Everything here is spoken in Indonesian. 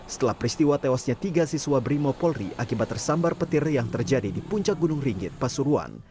setelah peristiwa tewasnya tiga siswa brimo polri akibat tersambar petir yang terjadi di puncak gunung ringgit pasuruan